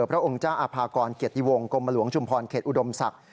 พระองค์เจ้าอาภากรเกียรติวงกรมหลวงชุมพรเขตอุดมศักดิ์